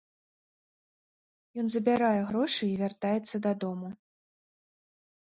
Ён забярае грошы і вяртаецца дадому.